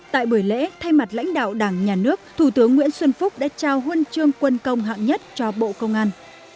tại buổi lễ thay mặt lãnh đạo đảng nhà nước thủ tướng nguyễn xuân phúc đã trao huân chương quân công hạng nhất cho bộ công an